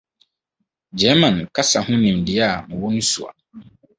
German kasa ho nimdeɛ a mewɔ no sua.